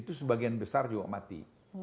itu sebagian besar juga mati